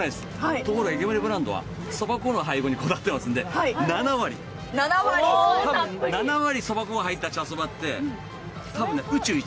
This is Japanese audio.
ところが池森ブランドはそば粉の配合にこだわっていて７割、そば粉が入った茶そばって、多分、宇宙一。